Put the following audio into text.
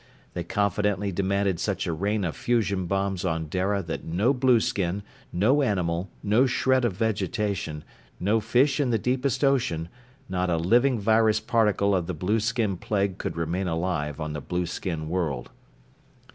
They confidently demanded such a rain of fusion bombs on Dara that no blueskin, no animal, no shred of vegetation, no fish in the deepest ocean, not even a living virus particle of the blueskin plague could remain alive on the blueskin world.